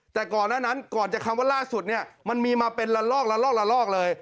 แต่ก่อนนั้นก่อนจากคำว่าล่าสุดเนี่ยมันมีมาเป็นละลอกเลย